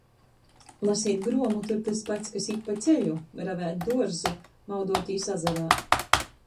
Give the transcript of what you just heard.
Laseit gruomotu ir tys pats, kas īt pa ceļu, revēt duorzu, mauduotīs azarā.